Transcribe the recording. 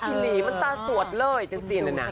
แซ่บอีหรี่มันตาสวดเลยจริงนั้นนะ